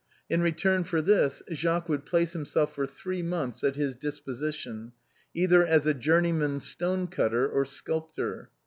In return for this Jacques would place himself for three months at his disposition, either as journeyman stone cutter or sculptor.